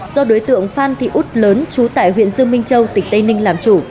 do đối tượng phan thị út lớn trú tại huyện dương minh châu tỉnh tây ninh làm chủ